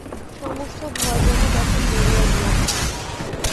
সমস্ত ভয় যেন তখন মরিয়া গিয়াছে।